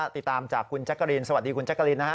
ติดตามจากคุณแจ๊กกะรีนสวัสดีคุณแจ๊กกะลินนะฮะ